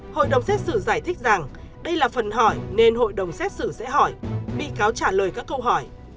hội đồng xét xử giải thích rằng đây là phần hỏi nên hội đồng xét xử sẽ hỏi bị cáo trả lời các câu hỏi